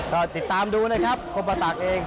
ค่ะติดตามดูนะครับคอเอง